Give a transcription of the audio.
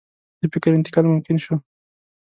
د فکر انتقال ممکن شو.